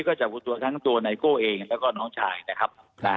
ก็จับตัวทั้งตัวไนโก้เองแล้วก็น้องชายนะครับ